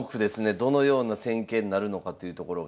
どのような戦型になるのかというところが。